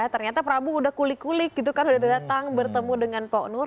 ternyata prabu udah kulik kulik gitu kan udah datang bertemu dengan pok nur